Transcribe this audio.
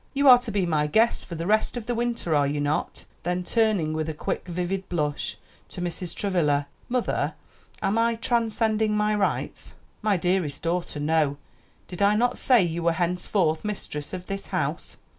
"You are to be my guests for the rest of the winter, are you not?" Then turning, with a quick vivid blush, to Mrs. Travilla, "Mother, am I transcending my rights?" "My dearest daughter, no; did I not say you were henceforth mistress of this house?"